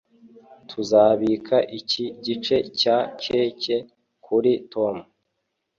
tuzabika iki gice cya cake kuri tom